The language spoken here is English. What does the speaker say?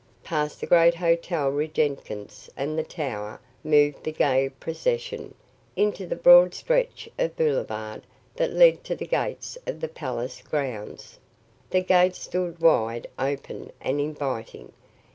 Past the great Hotel Regengetz and the Tower moved the gay procession, into the broad stretch of boulevard that led to the gates of the palace grounds. The gates stood wide open and inviting.